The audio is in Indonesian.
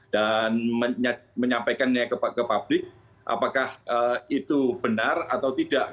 dan menyampaikannya ke publik apakah itu benar atau tidak